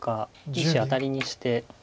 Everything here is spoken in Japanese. １子アタリにして。